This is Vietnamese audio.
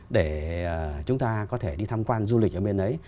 để chúng ta có thể đi tham quan du lịch ở bên ấy